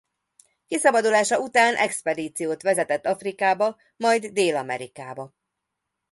Kiszabadulása után expedíciót vezetett Afrikába majd Dél-Amerikába.